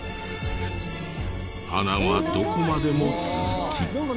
穴はどこまでも続き。